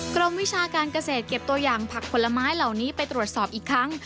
วิชาการเกษตรเก็บตัวอย่างผักผลไม้เหล่านี้ไปตรวจสอบอีกครั้ง